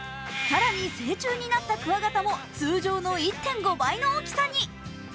更に成虫になったくわがたも通常の１．５倍の大きさに。